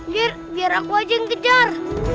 yuk biar aku aja yang kejar